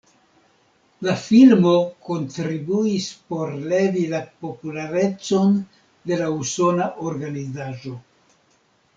La filmo kontribuis por levi la popularecon de la usona organizaĵo.